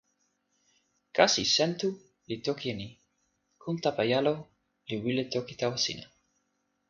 kasi Sentu li toki e ni: kon Tapajalo li wile toki tawa sina.